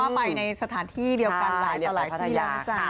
ก็ไปในสถานที่เดียวกันหลายที่แล้วนะจ๊ะ